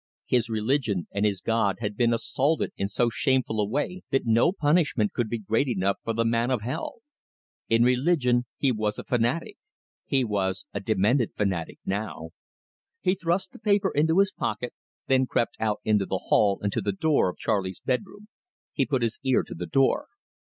His religion and his God had been assaulted in so shameful a way that no punishment could be great enough for the man of hell. In religion he was a fanatic; he was a demented fanatic now. He thrust the paper into his pocket, then crept out into the hall and to the door of Charley's bedroom. He put his ear to the door.